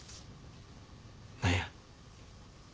何や？